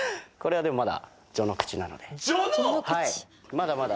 まだまだ。